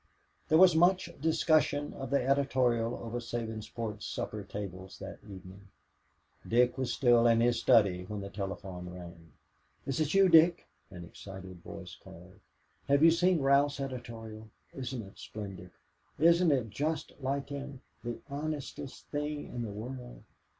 There was much discussion of the editorial over Sabinsport supper tables that evening. Dick was still in his study when the telephone rang: "Is it you, Dick?" an excited voice called. "Have you seen Ralph's editorial? Isn't it splendid? Isn't it just like him, the honestest thing in the world.